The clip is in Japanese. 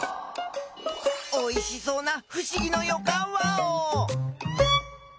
おいしそうなふしぎのよかんワオ！